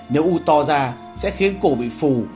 nếu u to ra sẽ khiến cổ bị phù